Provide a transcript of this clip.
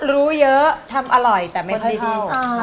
รู้เยอะทำอร่อยแต่ไม่แทบ